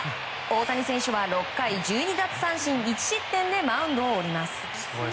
大谷選手は６回１２奪三振１失点でマウンドを降ります。